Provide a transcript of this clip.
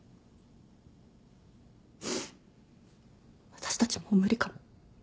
私たちもう無理かも。